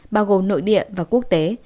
bao gồm nội địa và quốc tế